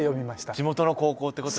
地元の高校ってことですか？